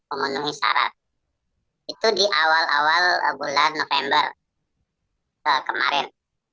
penggunaan perintah itu di awal awal bulan november kemarin